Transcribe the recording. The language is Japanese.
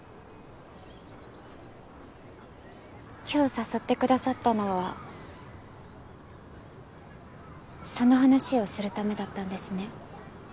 今日誘ってくださったのはその話をするためだったんですね。